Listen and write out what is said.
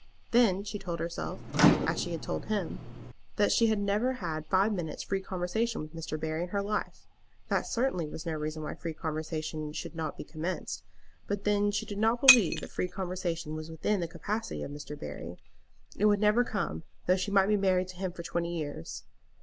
Then she told herself, as she had told him, that she had never had five minutes free conversation with Mr. Barry in her life. That certainly was no reason why free conversation should not be commenced. But then she did not believe that free conversation was within the capacity of Mr. Barry. It would never come, though she might be married to him for twenty years.